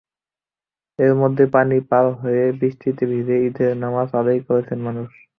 এরই মধ্যে পানি পার হয়ে, বৃষ্টিতে ভিজে ঈদের নামাজ আদায় করেছেন মানুষ।